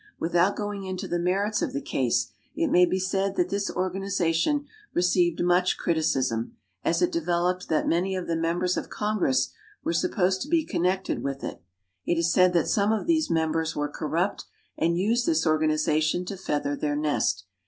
Without going into the merits of the case, it may be said that this organization received much criticism, as it developed that many of the members of Congress were supposed to be connected with it. It is said that some of these members were corrupt and used this organization to feather their nest.